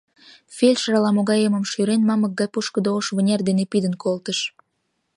Фельдшер, ала-могай эмым шӱрен, мамык гай пушкыдо ош вынер дене пидын колтыш.